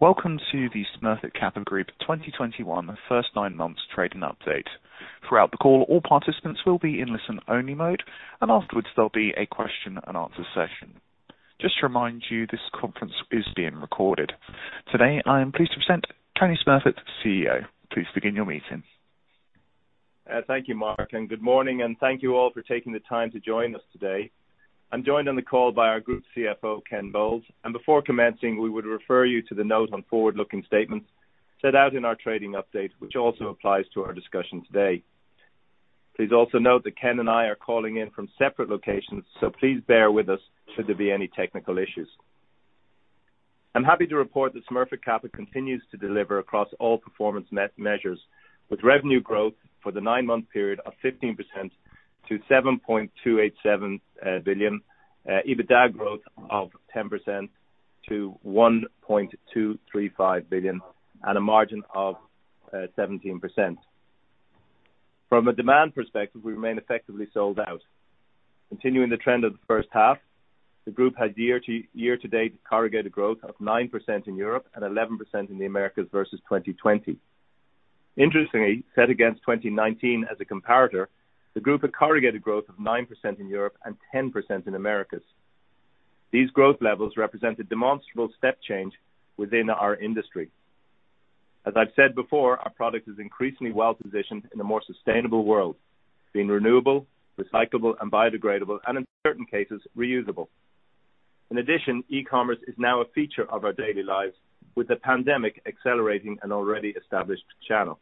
Welcome to the Smurfit Kappa Group 2021 first nine months trading update. Throughout the call, all participants will be in listen-only mode, and afterwards, there'll be a question and answer session. Just to remind you, this conference is being recorded. Today, I am pleased to present Tony Smurfit, CEO. Please begin your meeting. Thank you, Mark, and good morning, and thank you all for taking the time to join us today. I'm joined on the call by our Group CFO, Ken Bowles, and before commencing, we would refer you to the note on forward-looking statements set out in our trading update, which also applies to our discussion today. Please also note that Ken and I are calling in from separate locations, so please bear with us should there be any technical issues. I'm happy to report that Smurfit Kappa continues to deliver across all performance measures, with revenue growth for the nine-month period of 15% to 7.287 billion, EBITDA growth of 10% to 1.235 billion, and a margin of 17%. From a demand perspective, we remain effectively sold out. Continuing the trend of the first half, the group had year-to-date corrugated growth of 9% in Europe and 11% in the Americas versus 2020. Interestingly, set against 2019 as a comparator, the group had corrugated growth of 9% in Europe and 10% in the Americas. These growth levels represent a demonstrable step change within our industry. As I've said before, our product is increasingly well-positioned in a more sustainable world, being renewable, recyclable, and biodegradable, and in certain cases, reusable. In addition, e-commerce is now a feature of our daily lives, with the pandemic accelerating an already established channel.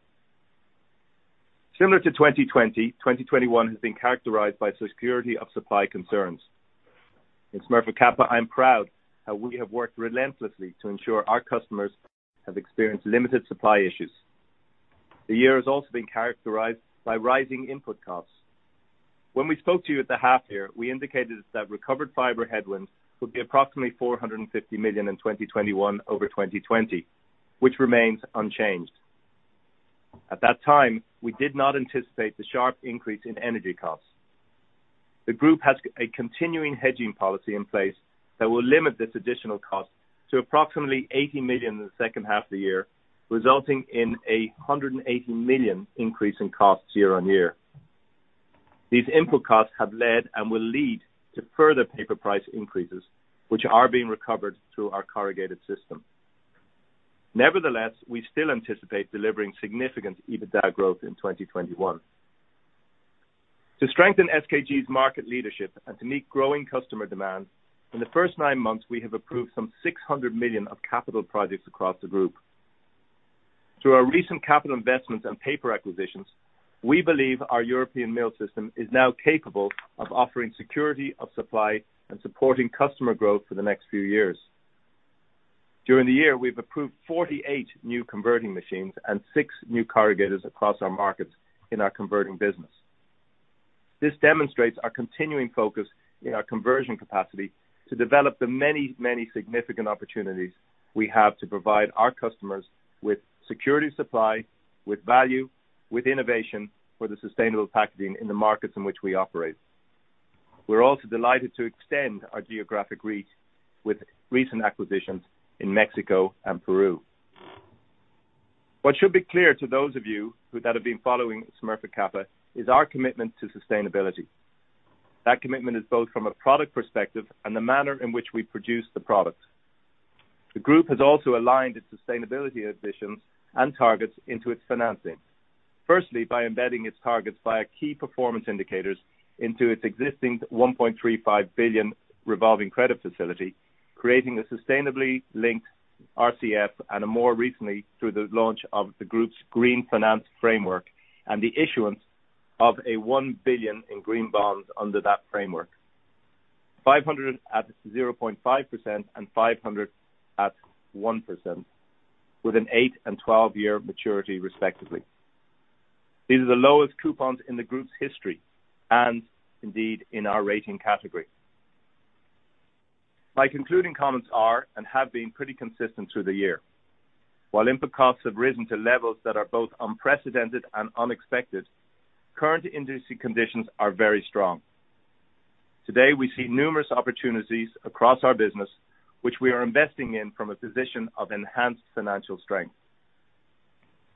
Similar to 2020, 2021 has been characterized by security of supply concerns. In Smurfit Kappa, I'm proud how we have worked relentlessly to ensure our customers have experienced limited supply issues. The year has also been characterized by rising input costs. When we spoke to you at the half year, we indicated that recovered fiber headwinds would be approximately 450 million in 2021 over 2020, which remains unchanged. At that time, we did not anticipate the sharp increase in energy costs. The group has a continuing hedging policy in place that will limit this additional cost to approximately 80 million in the second half of the year, resulting in a 180 million increase in costs year-on-year. These input costs have led and will lead to further paper price increases, which are being recovered through our corrugated system. Nevertheless, we still anticipate delivering significant EBITDA growth in 2021. To strengthen SKG's market leadership and to meet growing customer demand, in the first nine months, we have approved some 600 million of capital projects across the group. Through our recent capital investments and paper acquisitions, we believe our European mill system is now capable of offering security of supply and supporting customer growth for the next few years. During the year, we've approved 48 new converting machines and six new corrugators across our markets in our converting business. This demonstrates our continuing focus in our conversion capacity to develop the many, many significant opportunities we have to provide our customers with security of supply, with value, with innovation for the sustainable packaging in the markets in which we operate. We're also delighted to extend our geographic reach with recent acquisitions in Mexico and Peru. What should be clear to those of you that have been following Smurfit Kappa is our commitment to sustainability. That commitment is both from a product perspective and the manner in which we produce the products. The group has also aligned its sustainability ambitions and targets into its financing. Firstly, by embedding its targets via key performance indicators into its existing 1.35 billion revolving credit facility, creating a sustainably linked RCF, and more recently, through the launch of the group's Green Finance Framework and the issuance of 1 billion in green bonds under that framework. 500 million at 0.5% and 500 million at 1%, with an 8- and 12-year maturity, respectively. These are the lowest coupons in the group's history and indeed in our rating category. My concluding comments are, and have been pretty consistent through the year. While input costs have risen to levels that are both unprecedented and unexpected, current industry conditions are very strong. Today, we see numerous opportunities across our business, which we are investing in from a position of enhanced financial strength.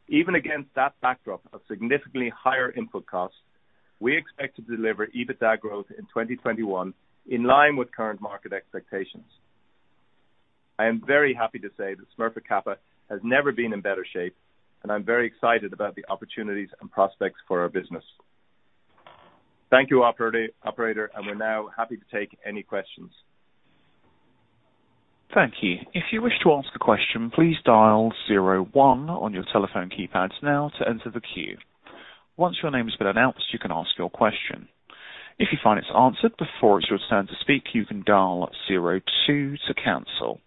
Even against that backdrop of significantly higher input costs, we expect to deliver EBITDA growth in 2021, in line with current market expectations. I am very happy to say that Smurfit Kappa has never been in better shape, and I'm very excited about the opportunities and prospects for our business. Thank you, operator, and we're now happy to take any questions. Thank you. If you wish to ask a question, please dial zero one on your telephone keypads now to enter the queue. Once your name has been announced, you can ask your question. If you find it's answered before it's your turn to speak, you can dial zero two to cancel.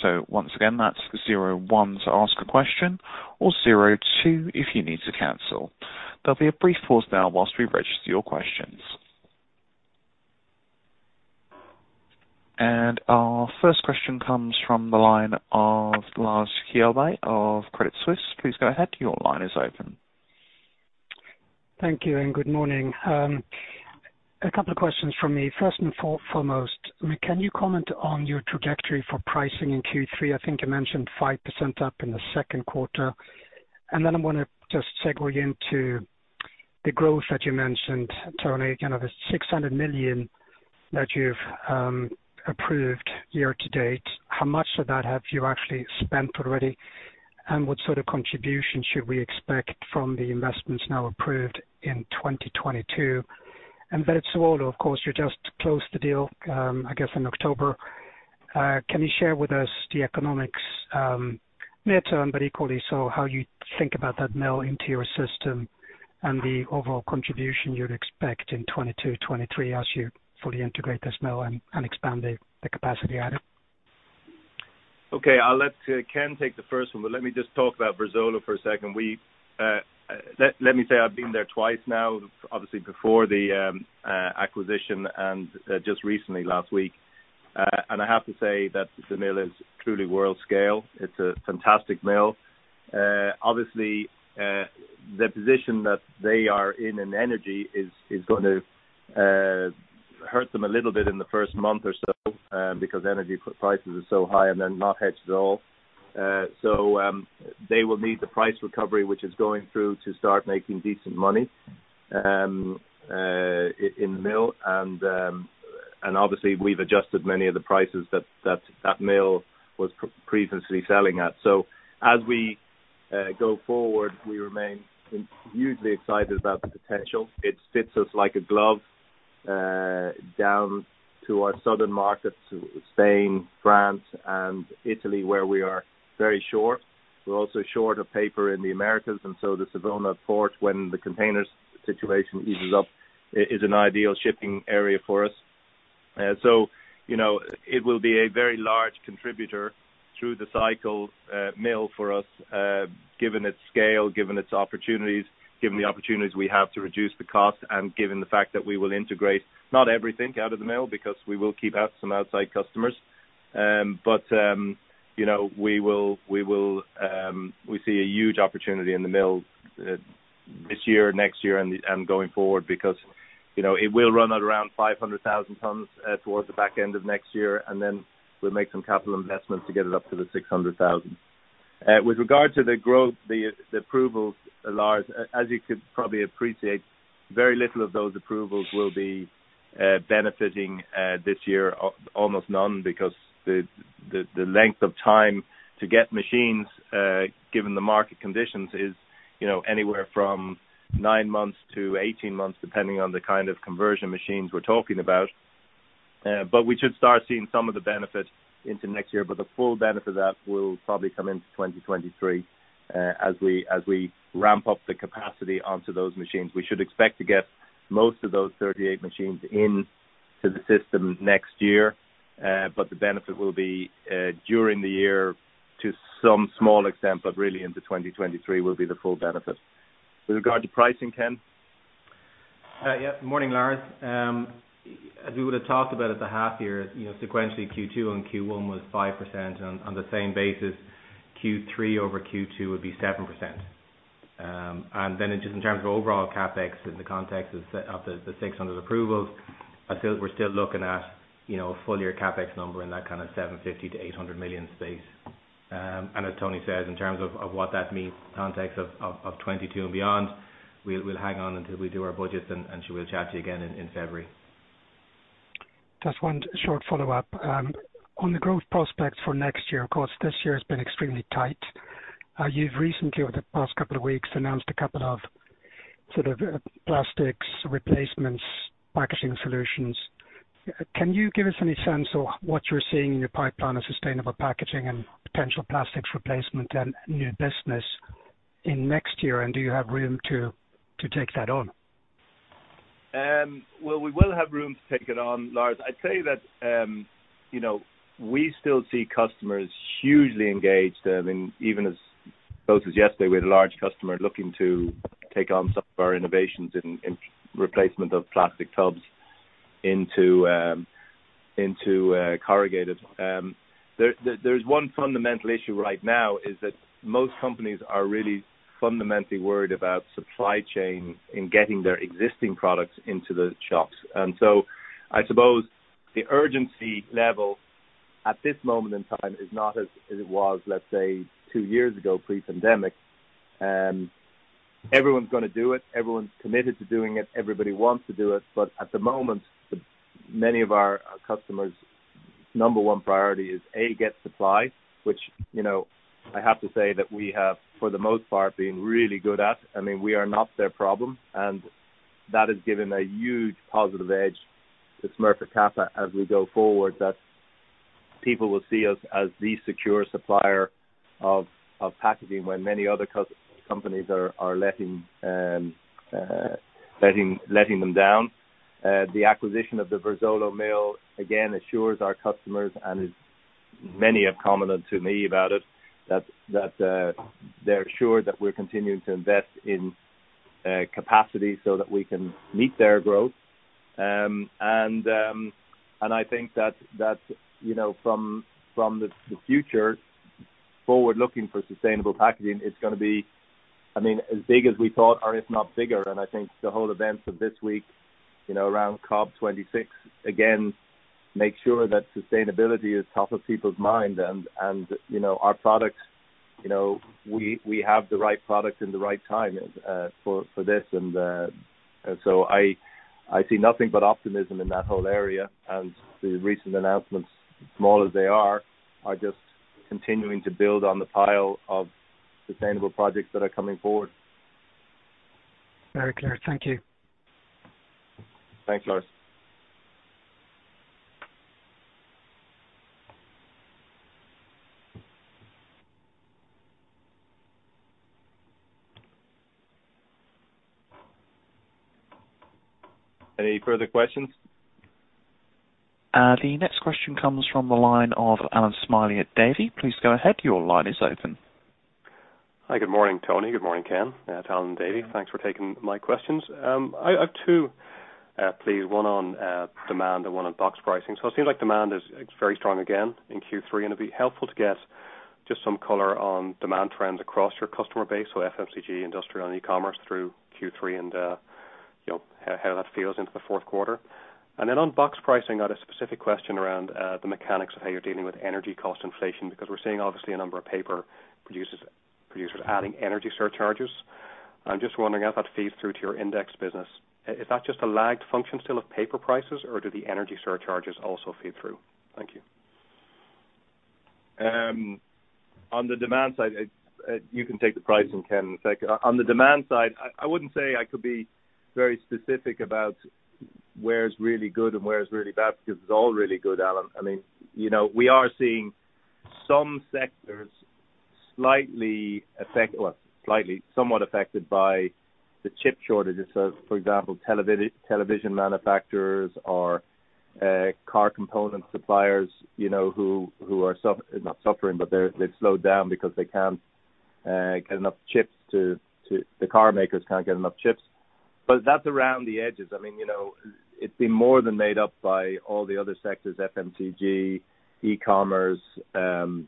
So once again, that's zero one to ask a question or zero two if you need to cancel. There'll be a brief pause now while we register your questions. And our first question comes from the line of Lars Kjellberg of Credit Suisse. Please go ahead. Your line is open. Thank you and good morning. A couple of questions from me. First and foremost, can you comment on your trajectory for pricing in Q3? I think you mentioned 5% up in the second quarter. And then I'm gonna just segue into the growth that you mentioned, Tony, kind of the 600 million that you've approved year to date. How much of that have you actually spent already? And what sort of contribution should we expect from the investments now approved in 2022? And Verzuolo, of course, you just closed the deal, I guess in October. Can you share with us the economics, near term, but equally so, how you think about that mill into your system and the overall contribution you'd expect in 2022, 2023, as you fully integrate this mill and expand the capacity added? Okay, I'll let Ken take the first one, but let me just talk about Verzuolo for a second. Let me say I've been there twice now, obviously before the acquisition and just recently last week. And I have to say that the mill is truly world scale. It's a fantastic mill. Obviously, the position that they are in in energy is going to hurt them a little bit in the first month or so, because energy prices are so high and they're not hedged at all. So, they will need the price recovery, which is going through to start making decent money in the mill. And obviously, we've adjusted many of the prices that that mill was previously selling at. So as we go forward, we remain hugely excited about the potential. It fits us like a glove down to our southern markets, Spain, France, and Italy, where we are very short. We're also short of paper in the Americas, and so the Savona port, when the containers situation eases up, is an ideal shipping area for us. So, you know, it will be a very large contributor through the cycle, mill for us, given its scale, given its opportunities, given the opportunities we have to reduce the cost, and given the fact that we will integrate not everything out of the mill, because we will keep out some outside customers. But, you know, we will, we will, we see a huge opportunity in the mill, this year, next year, and going forward, because, you know, it will run at around 500,000 tons, towards the back end of next year, and then we'll make some capital investments to get it up to the six hundred thousand. With regard to the growth, the approvals, Lars, as you could probably appreciate, very little of those approvals will be benefiting this year. Almost none, because the length of time to get machines, given the market conditions, is, you know, anywhere from nine months to 18 months, depending on the kind of conversion machines we're talking about. But we should start seeing some of the benefits into next year, but the full benefit of that will probably come into 2023, as we ramp up the capacity onto those machines. We should expect to get most of those 38 machines into the system next year. But the benefit will be during the year to some small extent, but really into 2023 will be the full benefit. With regard to pricing, Ken? Yeah, morning, Lars. As we would have talked about at the half year, you know, sequentially Q2 and Q1 was 5%, on the same basis, Q3 over Q2 would be 7%. And then just in terms of overall CapEx, in the context of the 600 approvals, we're still looking at, you know, a full year CapEx number in that kind of 750 million-800 million space. And as Tony says, in terms of what that means in the context of 2022 and beyond, we'll hang on until we do our budgets, and sure we'll chat to you again in February. Just one short follow-up. On the growth prospects for next year, of course, this year has been extremely tight. You've recently, over the past couple of weeks, announced a couple of sort of, plastics replacements, packaging solutions. Can you give us any sense of what you're seeing in your pipeline of sustainable packaging and potential plastics replacement and new business in next year? And do you have room to take that on? We will have room to take it on, Lars. I'd say that, you know, we still see customers hugely engaged. I mean, even as close as yesterday, we had a large customer looking to take on some of our innovations in replacement of plastic tubs into corrugated. There's one fundamental issue right now is that most companies are really fundamentally worried about supply chain in getting their existing products into the shops, and so I suppose the urgency level at this moment in time is not as it was, let's say, two years ago, pre-pandemic. Everyone's gonna do it, everyone's committed to doing it, everybody wants to do it, but at the moment, for many of our customers' number one priority is A, get supply, which, you know, I have to say that we have, for the most part, been really good at. I mean, we are not their problem, and that has given a huge positive edge to Smurfit Kappa as we go forward, that people will see us as the secure supplier of packaging when many other companies are letting them down. The acquisition of the Verzuolo mill, again, assures our customers, and many have commented to me about it, that they're assured that we're continuing to invest in capacity so that we can meet their growth. I think that, you know, from the forward-looking for sustainable packaging, it's gonna be, I mean, as big as we thought, or if not bigger, and I think the whole events of this week, you know, around COP26, again, make sure that sustainability is top of people's mind, and, you know, our products, you know, we have the right product and the right time for this, and so I see nothing but optimism in that whole area, and the recent announcements, small as they are, are just continuing to build on the pile of sustainable projects that are coming forward. Very clear. Thank you. Thanks, Lars. Any further questions? The next question comes from the line of Allan Smylie at Davy. Please go ahead. Your line is open. Hi, good morning, Tony. Good morning, Ken. It's Allan at Davy. Thanks for taking my questions. I have two, please, one on demand and one on box pricing. So it seems like demand is very strong again in Q3, and it'd be helpful to get just some color on demand trends across your customer base, so FMCG, industrial, and e-commerce through Q3, and you know, how that feels into the fourth quarter. And then on box pricing, I had a specific question around the mechanics of how you're dealing with energy cost inflation, because we're seeing obviously a number of paper producers adding energy surcharges. I'm just wondering how that feeds through to your index business. Is that just a lagged function still of paper prices, or do the energy surcharges also feed through? Thank you. On the demand side, you can take the price and Ken, take it. On the demand side, I wouldn't say I could be very specific about where's really good and where's really bad, because it's all really good, Allan. I mean, you know, we are seeing some sectors slightly, somewhat affected by the chip shortages. So, for example, television manufacturers or car component suppliers, you know, who are not suffering, but they've slowed down because they can't get enough chips to the car makers can't get enough chips. But that's around the edges. I mean, you know, it's been more than made up by all the other sectors, FMCG, e-commerce, all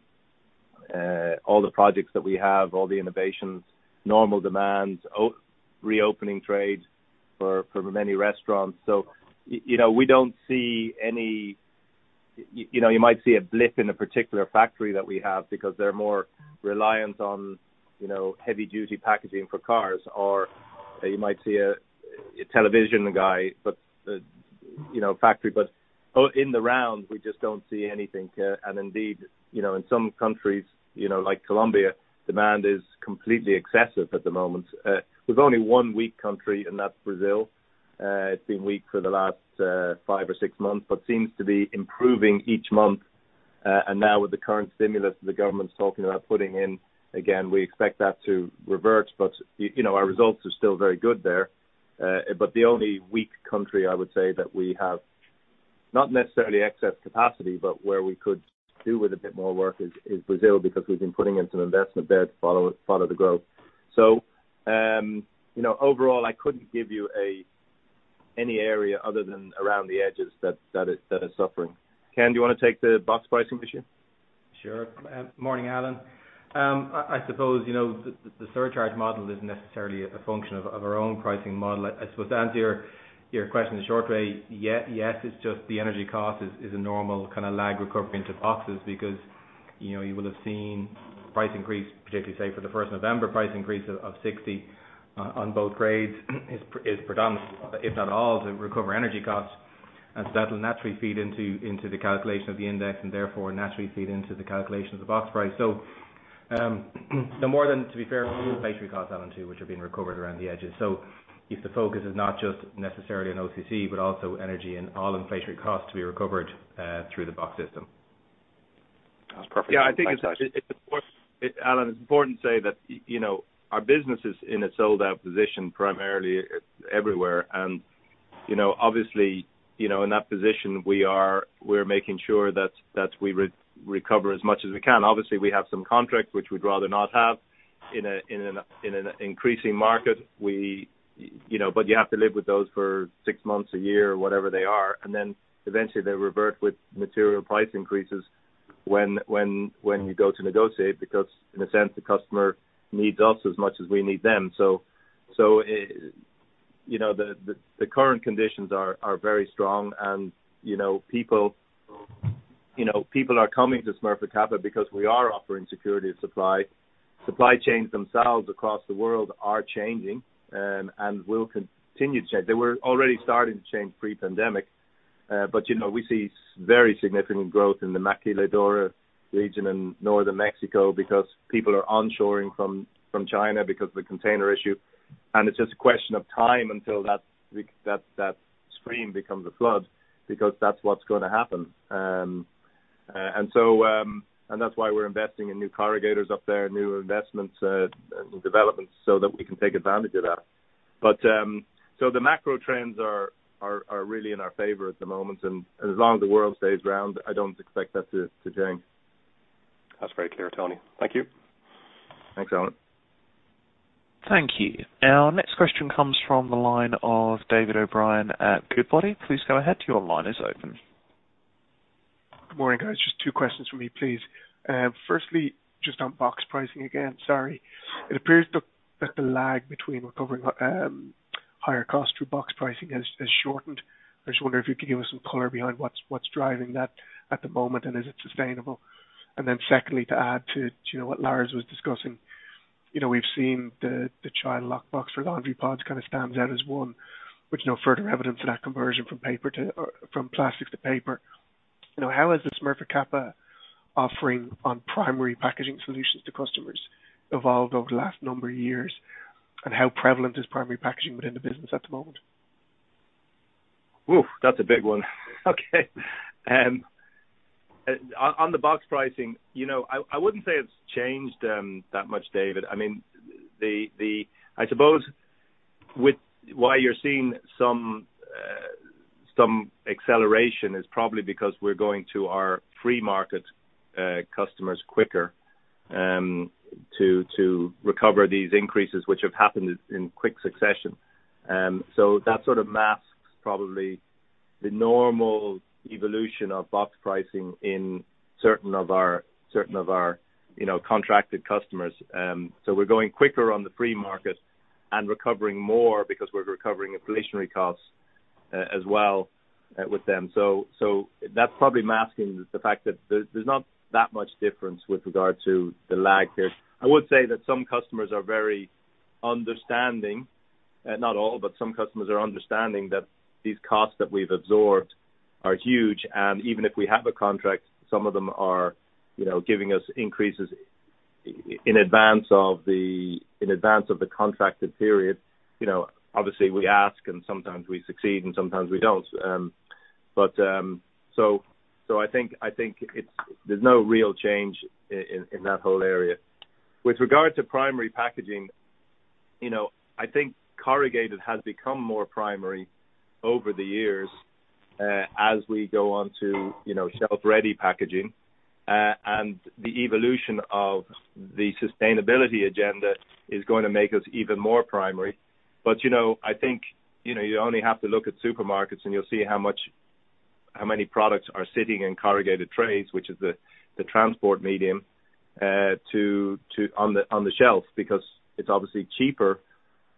the projects that we have, all the innovations, normal demands, reopening trade for many restaurants. You know, we don't see any. You know, you might see a blip in a particular factory that we have because they're more reliant on, you know, heavy-duty packaging for cars, or you might see a television factory. But in the round, we just don't see anything, and indeed, you know, in some countries, you know, like Colombia, demand is completely excessive at the moment. There's only one weak country, and that's Brazil. It's been weak for the last five or six months, but seems to be improving each month, and now with the current stimulus the government's talking about putting in, again, we expect that to revert, but you know, our results are still very good there. But the only weak country, I would say, that we have, not necessarily excess capacity, but where we could do with a bit more work is Brazil, because we've been putting in some investment there to follow the growth. So, you know, overall, I couldn't give you any area other than around the edges that is suffering. Ken, do you wanna take the box pricing issue? Sure. Morning, Allan. I suppose, you know, the surcharge model isn't necessarily a function of our own pricing model. I suppose to answer your question, the short way, yes, yes, it's just the energy cost is a normal kind of lag recovery into boxes because, you know, you will have seen price increase, particularly, say, for the first of November, price increase of 60 on both grades is predominant, if not all, to recover energy costs. And so that will naturally feed into the calculation of the index and therefore naturally feed into the calculation of the box price. So, no more than, to be fair, inflationary costs add on, too, which are being recovered around the edges. So if the focus is not just necessarily on OCC, but also energy and all inflationary costs to be recovered through the box system. That's perfect. Yeah, I think it's important, Allan, to say that, you know, our business is in a sold-out position, primarily everywhere. And, you know, obviously, in that position, we're making sure that we recover as much as we can. Obviously, we have some contracts which we'd rather not have in an increasing market. You know, but you have to live with those for six months, a year, whatever they are, and then eventually they revert with material price increases when you go to negotiate, because in a sense, the customer needs us as much as we need them. So, you know, the current conditions are very strong and, you know, people are coming to Smurfit Kappa because we are offering security of supply. Supply chains themselves across the world are changing, and will continue to change. They were already starting to change pre-pandemic, but, you know, we see very significant growth in the maquiladora region in northern Mexico because people are onshoring from China because of the container issue. And it's just a question of time until that stream becomes a flood, because that's what's going to happen. And that's why we're investing in new corrugators up there, new investments, and developments so that we can take advantage of that. But so the macro trends are really in our favor at the moment, and as long as the world stays round, I don't expect that to change. That's very clear, Tony. Thank you. Thanks, Alan. Thank you. Our next question comes from the line of David O'Brien at Goodbody. Please go ahead. Your line is open. Good morning, guys. Just two questions for me, please. Firstly, just on box pricing again, sorry. It appears that the lag between recovering higher cost through box pricing has shortened. I just wonder if you could give us some color behind what's driving that at the moment, and is it sustainable? And then secondly, to add to, you know, what Lars was discussing, you know, we've seen the child lock box for laundry pods kind of stands out as one, which no further evidence of that conversion from plastic to paper. You know, how has the Smurfit Kappa offering on primary packaging solutions to customers evolved over the last number of years, and how prevalent is primary packaging within the business at the moment? Woo! That's a big one. Okay. On the box pricing, you know, I wouldn't say it's changed that much, David. I mean, I suppose with why you're seeing some acceleration is probably because we're going to our free market customers quicker to recover these increases which have happened in quick succession. So that sort of masks probably the normal evolution of box pricing in certain of our you know, contracted customers. So we're going quicker on the free market and recovering more because we're recovering inflationary costs as well with them. So that's probably masking the fact that there's not that much difference with regard to the lag there. I would say that some customers are very understanding, not all, but some customers are understanding that these costs that we've absorbed are huge, and even if we have a contract, some of them are, you know, giving us increases in advance of the contracted period. You know, obviously, we ask and sometimes we succeed and sometimes we don't. I think it's. There's no real change in that whole area. With regard to primary packaging, you know, I think corrugated has become more primary over the years, as we go on to, you know, shelf-ready packaging. And the evolution of the sustainability agenda is going to make us even more primary. But, you know, I think, you know, you only have to look at supermarkets and you'll see how many products are sitting in corrugated trays, which is the transport medium to on the shelves, because it's obviously cheaper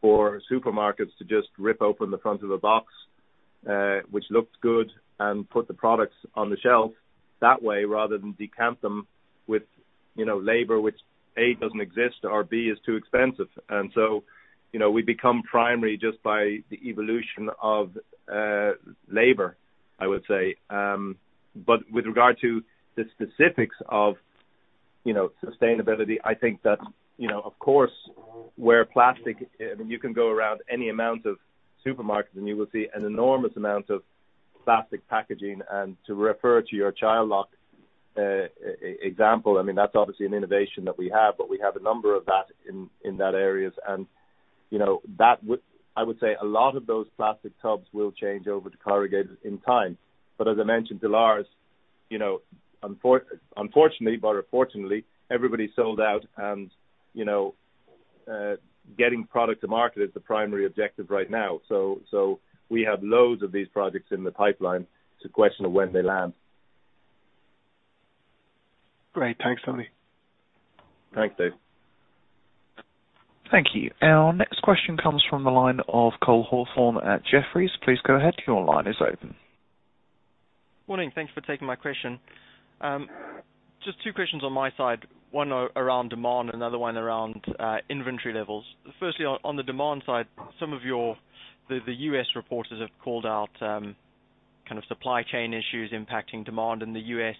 for supermarkets to just rip open the front of a box, which looks good, and put the products on the shelf that way, rather than decant them with, you know, labor, which, A, doesn't exist, or B, is too expensive. And so, you know, we become primary just by the evolution of labor, I would say. But with regard to the specifics of, you know, sustainability, I think that, you know, of course, where plastic. You can go around any amount of supermarkets, and you will see an enormous amount of plastic packaging. To refer to your child lock example, I mean, that's obviously an innovation that we have, but we have a number of that in that areas. You know, that would. I would say a lot of those plastic tubs will change over to corrugated in time. But as I mentioned to Lars, you know, unfortunately, everybody's sold out and, you know, getting product to market is the primary objective right now. So we have loads of these projects in the pipeline. It's a question of when they'll land. Great. Thanks, Tony. Thanks, David. Thank you. Our next question comes from the line of Cole Hathorn at Jefferies. Please go ahead. Your line is open. Morning. Thank you for taking my question. Just two questions on my side, one around demand, another one around inventory levels. Firstly, on the demand side, some of your—the U.S. reporters have called out kind of supply chain issues impacting demand in the U.S.,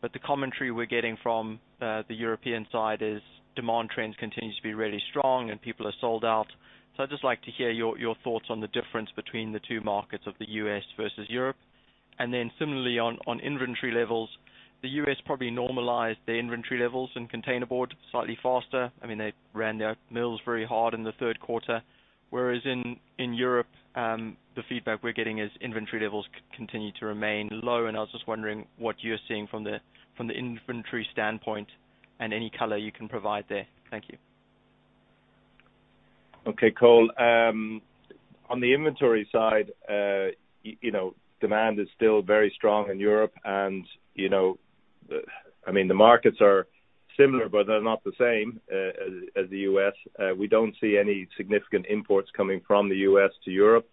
but the commentary we're getting from the European side is demand trends continue to be really strong and people are sold out. So I'd just like to hear your thoughts on the difference between the two markets of the U.S. versus Europe. And then similarly on inventory levels, the U.S. probably normalized their inventory levels and containerboard slightly faster. I mean, they ran their mills very hard in the third quarter, whereas in Europe, the feedback we're getting is inventory levels continue to remain low, and I was just wondering what you're seeing from the inventory standpoint and any color you can provide there. Thank you. Okay, Cole. On the inventory side, you know, demand is still very strong in Europe, and, you know, I mean, the markets are similar, but they're not the same, as the U.S. We don't see any significant imports coming from the U.S. to Europe.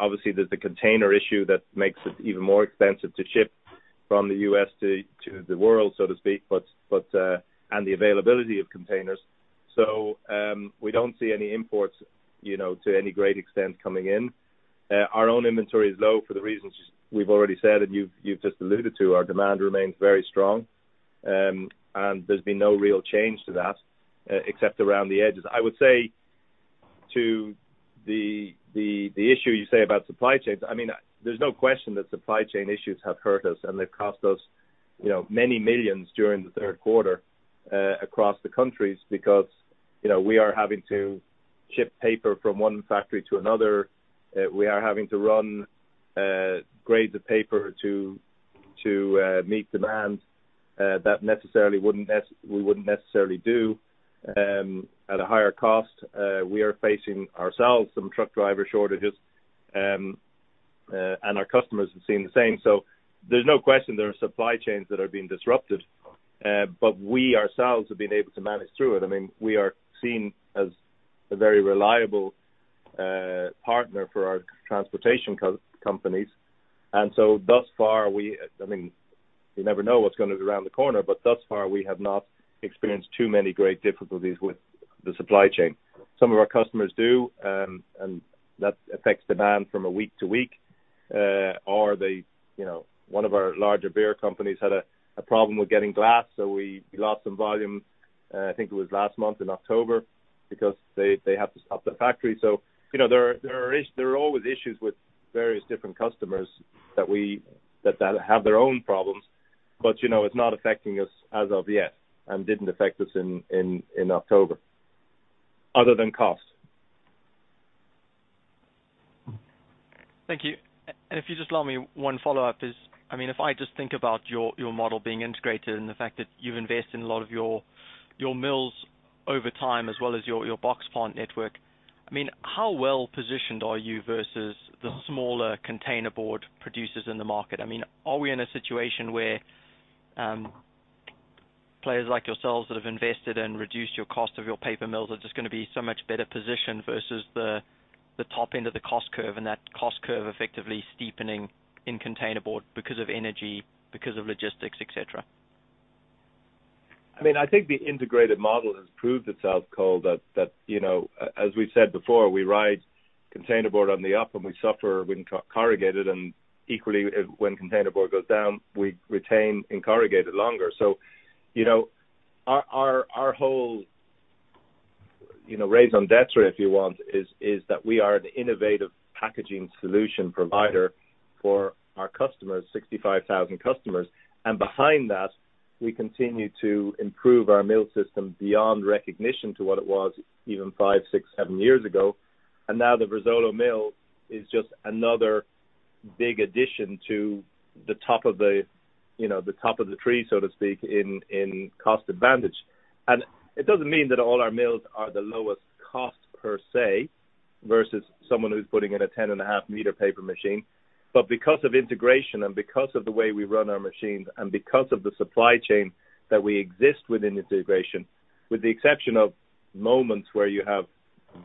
Obviously, there's the container issue that makes it even more expensive to ship from the U.S. to the world, so to speak, but and the availability of containers. So, we don't see any imports, you know, to any great extent coming in. Our own inventory is low for the reasons we've already said, and you've just alluded to. Our demand remains very strong, and there's been no real change to that, except around the edges. I would say to the issue you say about supply chains. I mean, there's no question that supply chain issues have hurt us, and they've cost us, you know, many millions during the third quarter across the countries because, you know, we are having to ship paper from one factory to another. We are having to run grades of paper to meet demand that we wouldn't necessarily do at a higher cost. We are facing ourselves some truck driver shortages, and our customers are seeing the same. So there's no question there are supply chains that are being disrupted, but we ourselves have been able to manage through it. I mean, we are seen as a very reliable partner for our transportation companies. And so thus far, I mean, you never know what's gonna be around the corner, but thus far, we have not experienced too many great difficulties with the supply chain. Some of our customers do, and that affects demand from a week to week. Or they, you know, one of our larger beer companies had a problem with getting glass, so we lost some volume, I think it was last month in October, because they had to stop the factory. So, you know, there are always issues with various different customers that we have their own problems, but, you know, it's not affecting us as of yet, and didn't affect us in October, other than cost. Thank you. And if you just allow me one follow-up is, I mean, if I just think about your, your model being integrated and the fact that you've invested in a lot of your, your mills over time, as well as your, your box plant network, I mean, how well positioned are you versus the smaller containerboard producers in the market? I mean, are we in a situation where, players like yourselves that have invested and reduced your cost of your paper mills are just gonna be so much better positioned versus the, the top end of the cost curve, and that cost curve effectively steepening in containerboard because of energy, because of logistics, et cetera? I mean, I think the integrated model has proved itself, Cole, that, you know, as we've said before, we ride containerboard on the up, and we suffer when corrugated, and equally, when containerboard goes down, we retain in corrugated longer. So, you know, our whole, you know, raison d'être, if you want, is that we are an innovative packaging solution provider for our customers, sixty-five thousand customers. And behind that, we continue to improve our mill system beyond recognition to what it was even five, six, seven years ago. And now the Verzuolo mill is just another big addition to the top of the, you know, the top of the tree, so to speak, in cost advantage. And it doesn't mean that all our mills are the lowest cost per se versus someone who's putting in a 10-and-a-half-meter paper machine. But because of integration and because of the way we run our machines, and because of the supply chain that we exist within integration with the exception of moments where you have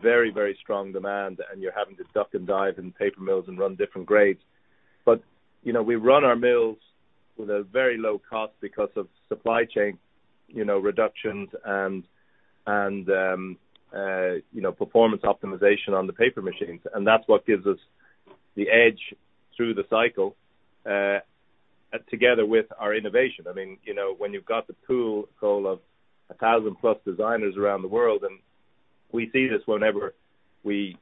very, very strong demand, and you're having to duck and dive in paper mills and run different grades. But you know, we run our mills with a very low cost because of supply chain you know, reductions and you know, performance optimization on the paper machines. And that's what gives us the edge through the cycle together with our innovation. I mean, you know, when you've got the pool, Cole, of a 1000+ designers around the world, and we see this whenever we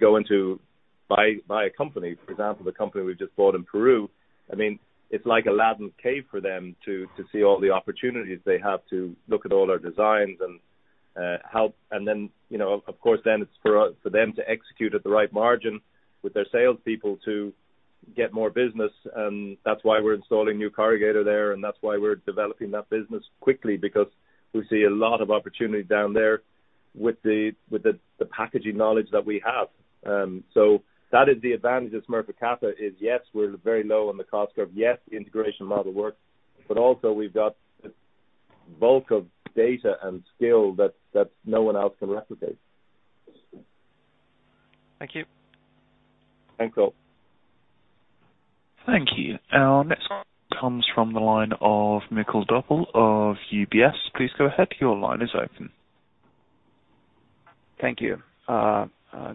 go in to buy a company. For example, the company we just bought in Peru, I mean, it's like Aladdin's cave for them to see all the opportunities they have to look at all our designs and help. And then, you know, of course, then it's for us, for them to execute at the right margin with their salespeople to get more business. And that's why we're installing new corrugator there, and that's why we're developing that business quickly, because we see a lot of opportunity down there with the packaging knowledge that we have. So that is the advantage of Smurfit Kappa, is yes, we're very low on the cost curve. Yes, the integration model works, but also we've got a bulk of data and skill that no one else can replicate. Thank you. Thanks, Cole. Thank you. Our next call comes from the line of Mikael Doepel of UBS. Please go ahead. Your line is open. Thank you.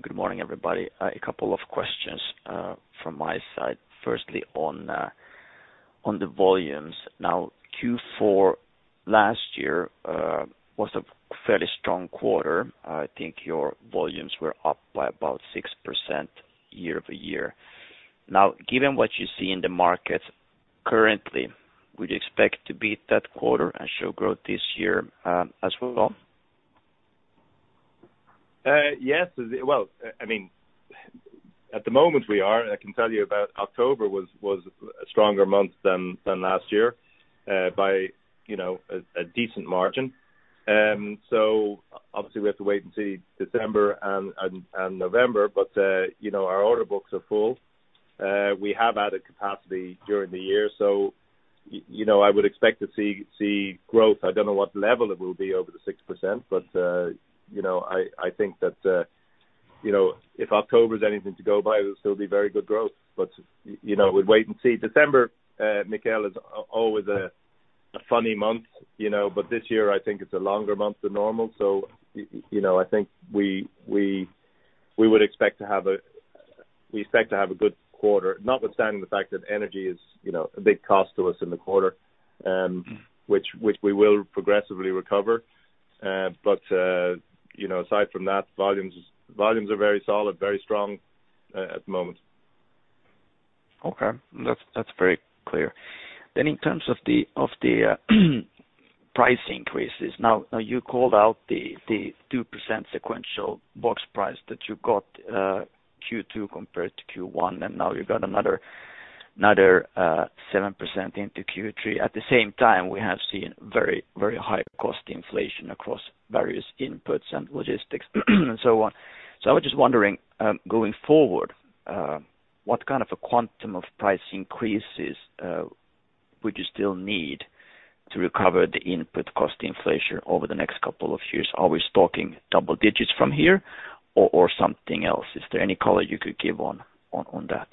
Good morning, everybody. A couple of questions from my side. Firstly, on the volumes. Now, Q4 last year was a fairly strong quarter. I think your volumes were up by about 6% year over year. Now, given what you see in the market currently, would you expect to beat that quarter and show growth this year, as well? Yes. Well, I mean, at the moment we are. I can tell you about October was a stronger month than last year by, you know, a decent margin. So obviously, we have to wait and see December and November, but, you know, our order books are full. We have added capacity during the year, so you know, I would expect to see growth. I don't know what level it will be over the 6%, but, you know, I think that, you know, if October is anything to go by, it'll still be very good growth. But, you know, we'll wait and see. December, Mikael, is always a funny month, you know, but this year I think it's a longer month than normal. So, you know, I think we would expect to have a good quarter, notwithstanding the fact that energy is, you know, a big cost to us in the quarter, which we will progressively recover. But, you know, aside from that, volumes are very solid, very strong, at the moment. Okay. That's, that's very clear. Then in terms of the price increases. Now you called out the 2% sequential box price that you got Q2 compared to Q1, and now you've got another 7% into Q3. At the same time, we have seen very, very high cost inflation across various inputs and logistics and so on. So I was just wondering, going forward, what kind of a quantum of price increases would you still need to recover the input cost inflation over the next couple of years? Are we talking double digits from here or something else? Is there any color you could give on that?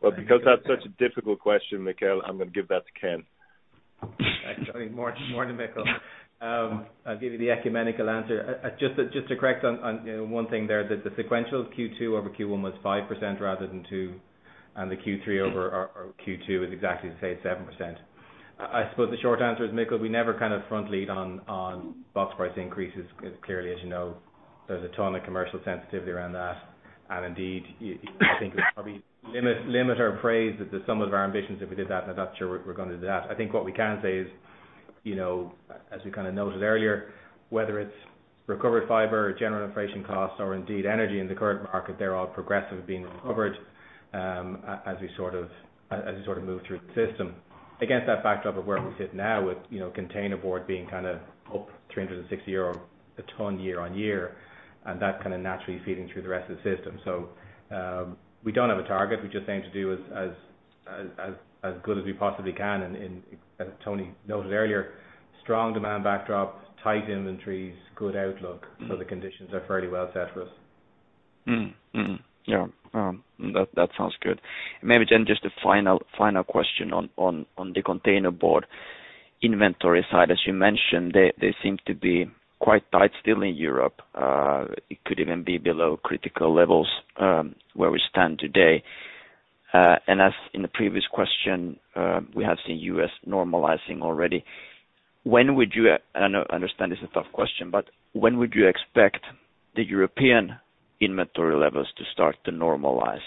Because that's such a difficult question, Mikael, I'm gonna give that to Ken. Thanks, Tony. Morning, Mikael. I'll give you the economic answer. Just to correct on, you know, one thing there, that the sequential Q2 over Q1 was 5% rather than 2%, and the Q3 over Q2 is exactly the same, 7%. I suppose the short answer is, Mikael, we never kind of front-load on box price increases, because clearly, as you know, there's a ton of commercial sensitivity around that. And indeed, you, I think it would probably limit our pursuit of the sum of our ambitions if we did that, not sure we're gonna do that. I think what we can say is, you know, as we kind of noted earlier, whether it's recovered fiber or general inflation costs, or indeed energy in the current market, they're all progressively being recovered, as we sort of move through the system. Against that backdrop of where we sit now with, you know, container board being kinda up 360 euro a ton year-on-year, and that kind of naturally feeding through the rest of the system. So, we don't have a target. We're just saying to do as good as we possibly can. And as Tony noted earlier, strong demand backdrop, tight inventories, good outlook, so the conditions are fairly well set for us. Mm-hmm. Mm-hmm. Yeah. That sounds good. Maybe then just a final question on the containerboard inventory side. As you mentioned, they seem to be quite tight still in Europe. It could even be below critical levels, where we stand today. And as in the previous question, we have seen U.S. normalizing already. When would you and I know, understand it's a tough question, but when would you expect the European inventory levels to start to normalize?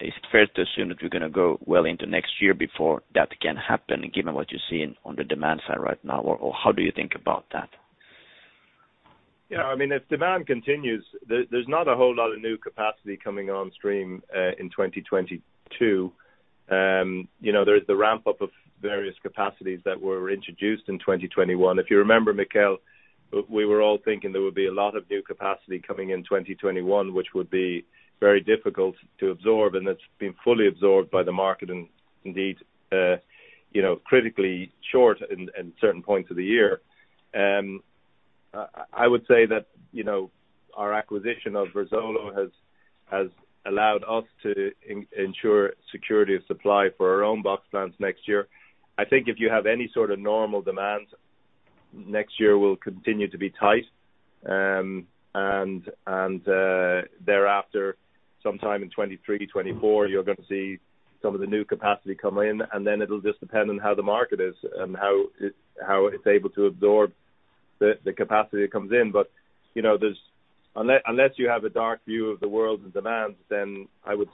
Is it fair to assume that you're gonna go well into next year before that can happen, given what you're seeing on the demand side right now? Or how do you think about that? Yeah, I mean, if demand continues, there's not a whole lot of new capacity coming on stream in 2022. You know, there's the ramp up of various capacities that were introduced in 2021. If you remember, Mikael, we were all thinking there would be a lot of new capacity coming in 2021, which would be very difficult to absorb, and that's been fully absorbed by the market and indeed, you know, critically short in certain points of the year. I would say that, you know, our acquisition of Verzuolo has allowed us to ensure security of supply for our own box plants next year. I think if you have any sort of normal demands, next year will continue to be tight. And thereafter, sometime in 2023, 2024, you're gonna see some of the new capacity come in, and then it'll just depend on how the market is and how it's able to absorb the capacity that comes in. But you know, unless you have a dark view of the world and demands, then I would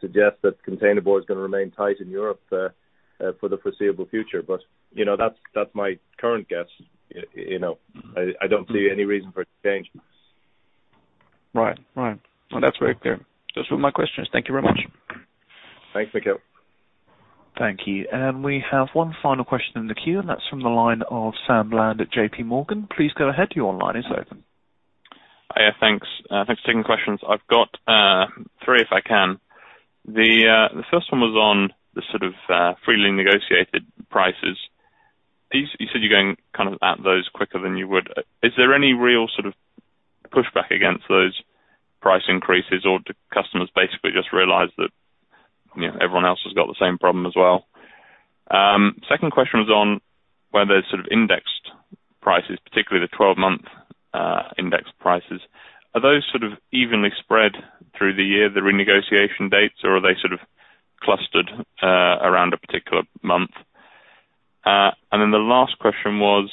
suggest that containerboard is gonna remain tight in Europe for the foreseeable future. But you know, that's my current guess. You know, I don't see any reason for it to change. Right. Right. Well, that's very clear. Those were my questions. Thank you very much. Thanks, Mikael. Thank you. And we have one final question in the queue, and that's from the line of Sam Bland at JPMorgan. Please go ahead. Your line is open. Hiya, thanks. Thanks for taking questions. I've got three, if I can. The first one was on the sort of freely negotiated prices. These, you said you're going kind of at those quicker than you would. Is there any real sort of pushback against those price increases, or do customers basically just realize that, you know, everyone else has got the same problem as well? Second question was on whether there's sort of indexed prices, particularly the twelve-month index prices. Are those sort of evenly spread through the year, the renegotiation dates, or are they sort of clustered around a particular month? And then the last question was,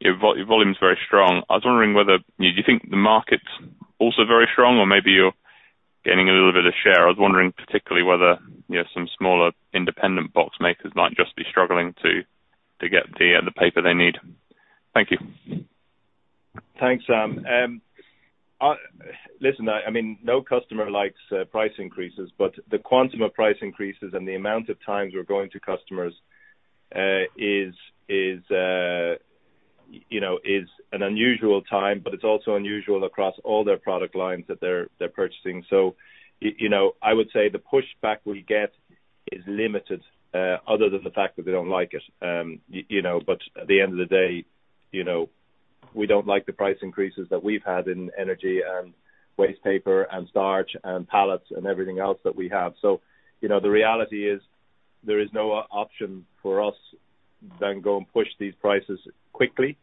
your volume's very strong. I was wondering whether, do you think the market's also very strong, or maybe you're gaining a little bit of share? I was wondering particularly whether, you know, some smaller independent box makers might just be struggling to get the paper they need? Thank you. Thanks, Sam. Listen, I mean, no customer likes price increases, but the quantum of price increases and the amount of times we're going to customers is, you know, an unusual time, but it's also unusual across all their product lines that they're purchasing. So, you know, I would say the pushback we get is limited other than the fact that they don't like it. You know, but at the end of the day, you know, we don't like the price increases that we've had in energy and wastepaper and starch and pallets and everything else that we have. So, you know, the reality is, there is no other option for us than to go and push these prices quickly,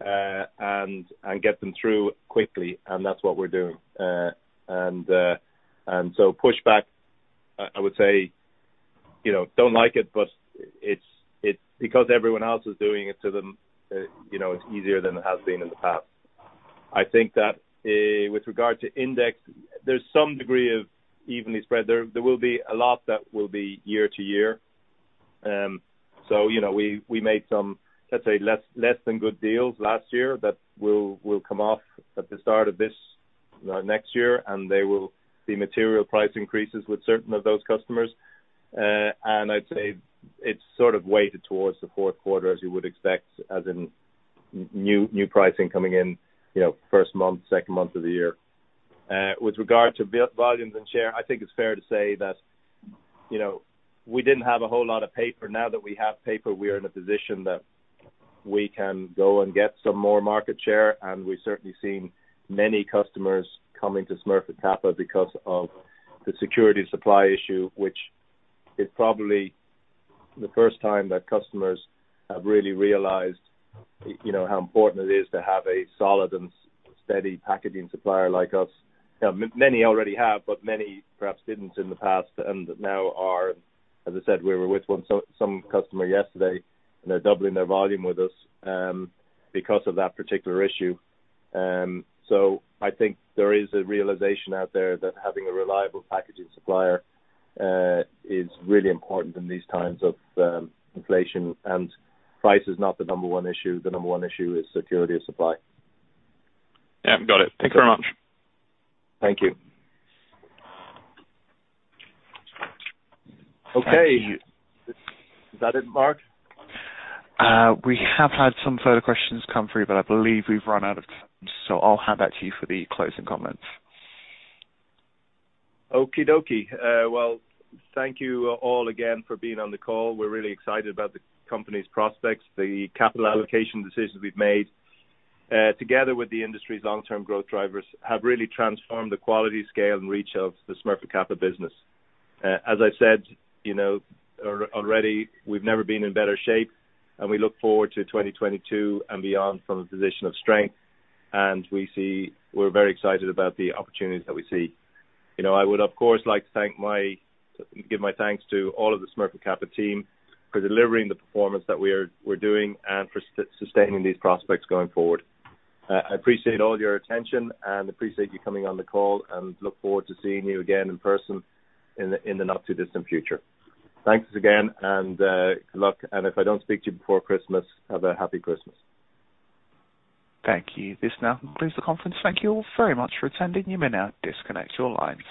and get them through quickly, and that's what we're doing. Pushback, I would say, you know, don't like it, but it's because everyone else is doing it to them, you know, it's easier than it has been in the past. I think that with regard to index, there's some degree of evenly spread. There will be a lot that will be year to year. You know, we made some, let's say, less than good deals last year that will come off at the start of this next year, and there will be material price increases with certain of those customers. I'd say it's sort of weighted towards the fourth quarter, as you would expect, as in new pricing coming in, you know, first month, second month of the year. With regard to box volumes and share, I think it's fair to say that, you know, we didn't have a whole lot of paper. Now that we have paper, we are in a position that we can go and get some more market share, and we've certainly seen many customers coming to Smurfit Kappa because of the supply security issue, which is probably the first time that customers have really realized, you know, how important it is to have a solid and steady packaging supplier like us. Now, many already have, but many perhaps didn't in the past and now are. As I said, we were with one customer yesterday, and they're doubling their volume with us, because of that particular issue. So I think there is a realization out there that having a reliable packaging supplier is really important in these times of inflation. And price is not the number one issue. The number one issue is security of supply. Yeah. Got it. Thank you very much. Thank you. Okay. Is that it, Mark? We have had some further questions come through, but I believe we've run out of time, so I'll hand back to you for the closing comments. Okie dokie. Well, thank you all again for being on the call. We're really excited about the company's prospects. The capital allocation decisions we've made, together with the industry's long-term growth drivers, have really transformed the quality, scale, and reach of the Smurfit Kappa business. As I said, you know, already, we've never been in better shape, and we look forward to 2022 and beyond from a position of strength, and we see. We're very excited about the opportunities that we see. You know, I would, of course, like to give my thanks to all of the Smurfit Kappa team for delivering the performance that we're doing and for sustaining these prospects going forward. I appreciate all your attention and appreciate you coming on the call, and look forward to seeing you again in person in the not too distant future. Thanks again, and good luck, and if I don't speak to you before Christmas, have a happy Christmas. Thank you. This now concludes the conference. Thank you all very much for attending. You may now disconnect your line.